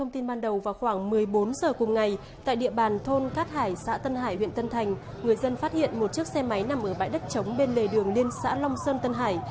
trong bàn thôn cát hải xã tân hải huyện tân thành người dân phát hiện một chiếc xe máy nằm ở bãi đất chống bên lề đường liên xã long sơn tân hải